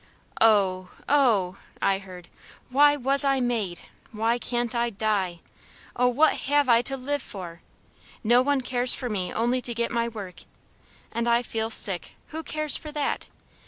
'Oh! oh!' I heard, 'why was I made? why can't I die? Oh, what have I to live for? No one cares for me only to get my work. And I feel sick; who cares for that?